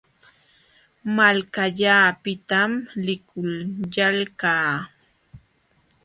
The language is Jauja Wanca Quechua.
Malkallaapitam likullalqaa.